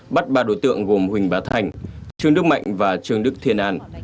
bắt ba đối tượng gồm huỳnh bá thành trương đức mạnh và trương đức thiên an